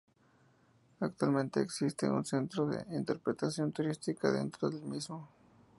Actualmente existe un centro de interpretación turística dentro del mismo.